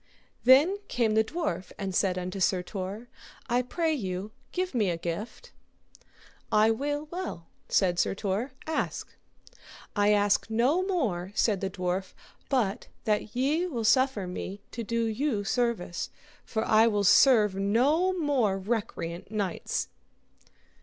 Then came the dwarf and said unto Sir Tor, I pray you give me a gift. I will well, said Sir Tor, ask. I ask no more, said the dwarf, but that ye will suffer me to do you service, for I will serve no more recreant knights.